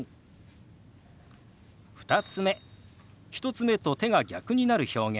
１つ目と手が逆になる表現。